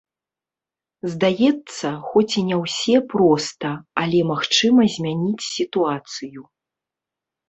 Здаецца, хоць і не ўсе проста, але магчыма змяніць сітуацыю.